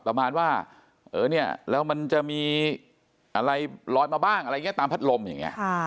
ประมาณว่าเออเนี่ยแล้วมันจะมีอะไรลอยมาบ้างอะไรอย่างนี้ตามพัดลมอย่างนี้